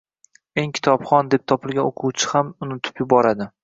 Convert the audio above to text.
Eng kitobxon deb topilgan oʻquvchisi ham unitib yuboradi.